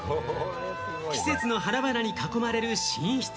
季節の花々に囲まれる寝室。